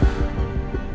tidak ada yang bisa dikira